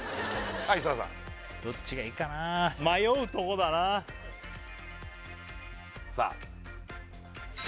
はい設楽さんどっちがいいかなあ迷うとこだなあさあ